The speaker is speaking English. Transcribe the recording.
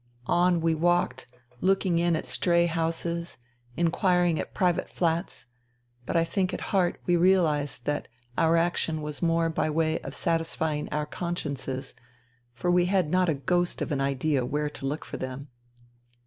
On we walked, looking in at stray houses, inquiring at private flats ; but I think at heart we realized that our action was more by way of satisfying our con sciences, for we had not a ghost of an idea where to look for them.